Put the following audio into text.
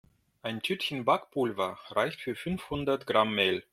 Ein Tütchen Backpulver reicht für fünfhundert Gramm Mehl.